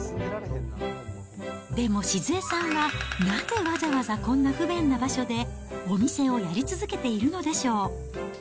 でも、静恵さんはなぜわざわざこんな不便な場所で、お店をやり続けているのでしょう。